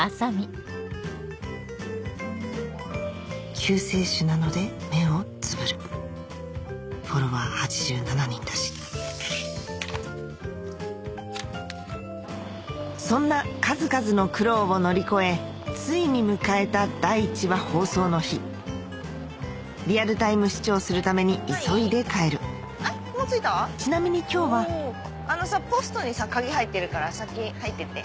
救世主なので目をつぶるフォロワー８７人だしそんな数々の苦労を乗り越えついに迎えた第１話放送の日リアルタイム視聴するために急いで帰るちなみに今日はポストにさ鍵入ってるから先入ってて。